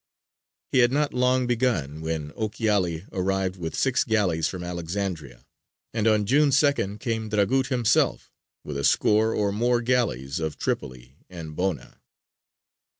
He had not long begun when Ochiali arrived with six galleys from Alexandria, and on June 2nd came Dragut himself with a score or more galleys of Tripoli and Bona.